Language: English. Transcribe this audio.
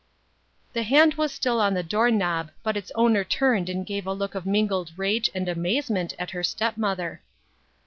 The hand was still on the door knob, but its owner turned and gave a look of mingled rage and amazement at her step mother.